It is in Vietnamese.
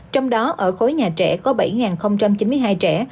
trong đó ở khối nhà trẻ có bảy chín mươi hai trẻ